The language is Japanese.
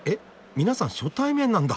皆さん初対面なんだ！